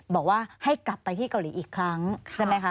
บอกว่าให้กลับไปที่เกาหลีอีกครั้งใช่ไหมคะ